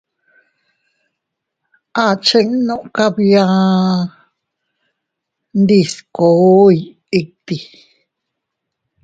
Achinnu kabia ndiskoy itti.